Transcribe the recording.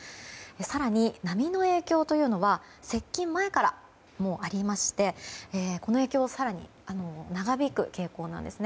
更に波の影響というのは接近前からもうありまして、この影響が更に長引く傾向なんです。